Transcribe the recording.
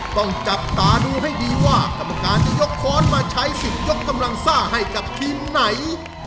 ต้องจับตาดูให้ดีว่ากรรมการจะยกค้อนมาใช้สิทธิ์ยกกำลังซ่าให้กับทีมไหน